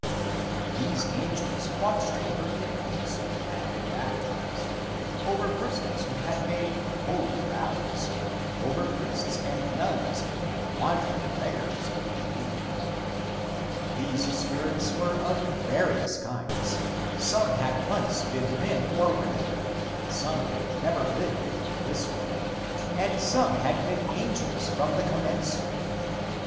These angels watched over infants who had been baptized, over persons who had made holy vows, over priests and nuns and wandering beggars who believed. These spirits were of various kinds: Some had once been men or women, some had never lived in this world, and some had been angels from the commencement.